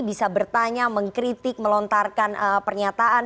bisa bertanya mengkritik melontarkan pernyataan